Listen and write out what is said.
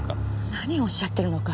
何をおっしゃっているのか。